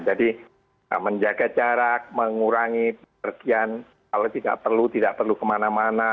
jadi menjaga jarak mengurangi perkejian kalau tidak perlu tidak perlu kemana mana